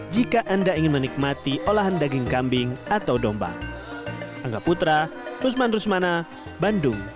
jika anda ingin menikmati olahan daging kambing atau domba